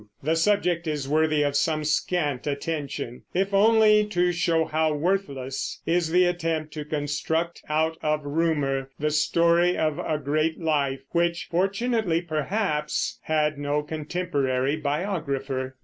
The subject is worthy of some scant attention, if only to show how worthless is the attempt to construct out of rumor the story of a great life which, fortunately perhaps, had no contemporary biographer.